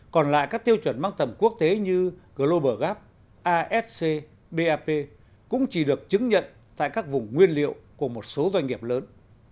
còn lại các tiêu chuẩn mang tầm quốc tế như global gap asc bap cũng chỉ được chứng nhận tại các vùng nguyên liệu của một số doanh nghiệp lớn